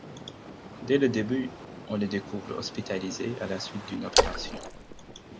Dès le début, on le découvre hospitalisé à la suite d'une opération.